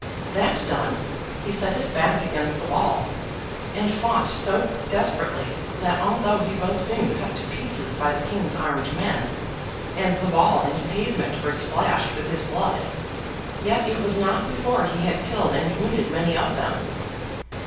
That done, he set his back against the wall, and fought so desperately, that although he was soon cut to pieces by the King's armed men, and the wall and pavement were splashed with his blood, yet it was not before he had killed and wounded many of them.